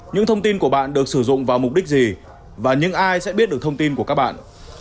những thông tin của bạn được sử dụng vào mục đích gì và những ai sẽ biết được thông tin của các bạn